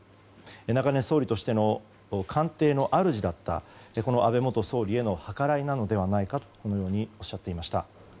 長年、総理として官邸の主だった、この安倍元総理への計らいなのではないかとこのようにおっしゃっていました。